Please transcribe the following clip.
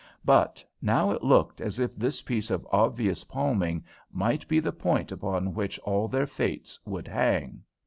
But now it looked as if this piece of obvious palming might be the point upon which all their fates would hang.